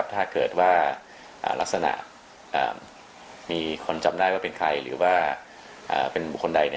ถ้าเกิดว่าลักษณะมีคนจำได้ว่าเป็นใครหรือว่าเป็นบุคคลใด